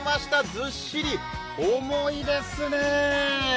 ずっしり重いですね。